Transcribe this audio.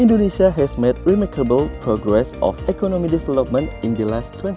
indonesia telah membuat kemajuan yang indah dalam pembangunan ekonomi dalam dua puluh tahun yang lalu